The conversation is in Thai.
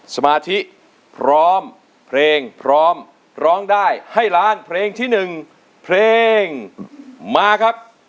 สมาธิพร้อมเพลงพร้อมร้องได้ให้ล้านเพลงที่๑เพลงมาครับ